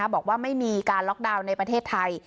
บอกว่าไม่มีการล็อกดาวน์ในประเทศไทย